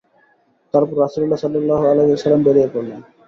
তারপর রাসূলুল্লাহ সাল্লাল্লাহু আলাইহি ওয়াসাল্লাম বেরিয়ে পড়লেন।